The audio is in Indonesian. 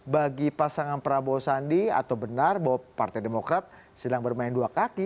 bagi pasangan prabowo sandi atau benar bahwa partai demokrat sedang bermain dua kaki